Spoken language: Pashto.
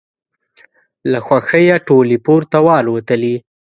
له خوښیه ټولې پورته والوتلې.